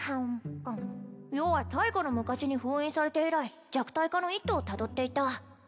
余は太古の昔に封印されて以来弱体化の一途をたどっていた